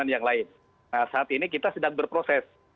nah saat ini kita sedang berproses